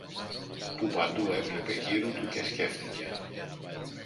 που παντού έβλεπε γύρω του και σκέφθηκε